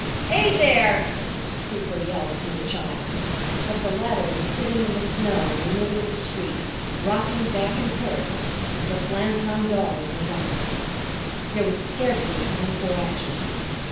"Hi there!" Cooper yelled to the child. But the latter was sitting in the snow in the middle of the street, rocking back and forth, with the Flanton Dog in his arms. There was scarcely time for action.